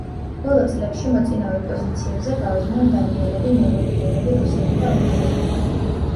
ბოლო წლებში მოწინავე პოზიციებზე გავიდნენ დანიელები, ნორვეგიელები, რუსები და უნგრელები.